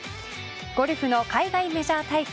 ゴルフの海外メジャー大会